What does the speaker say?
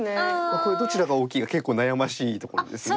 これどちらが大きいか結構悩ましいとこなんですね。